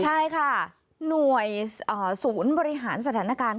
ใช่ค่ะหน่วยศูนย์บริหารสถานการณ์